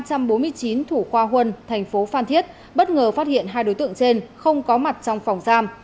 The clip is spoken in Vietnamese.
số ba trăm bốn mươi chín thủ khoa huân thành phố phan thiết bất ngờ phát hiện hai đối tượng trên không có mặt trong phòng giam